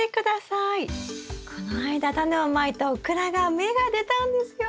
この間タネをまいたオクラが芽が出たんですよ。